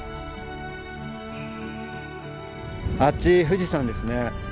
あっち富士山ですね。